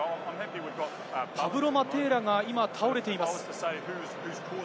パブロ・マテーラが今、倒れています。